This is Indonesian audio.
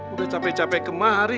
udah cape cape kemari